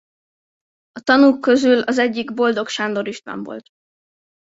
A tanúk közül az egyik Boldog Sándor István volt.